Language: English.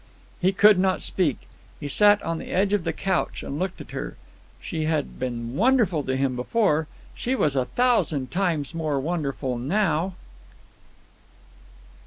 He could not speak. He sat on the edge of the couch and looked at her. She had been wonderful to him before. She was a thousand times more wonderful now.